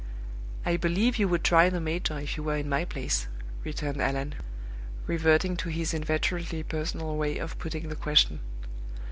"I believe you would try the major, if you were in my place," returned Allan, reverting to his inveterately personal way of putting the question.